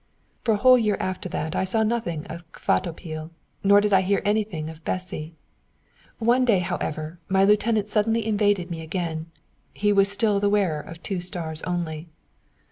For a whole year after that I saw nothing of Kvatopil, nor did I hear anything of Bessy. One day, however, my lieutenant suddenly invaded me again; he was still the wearer of two stars only.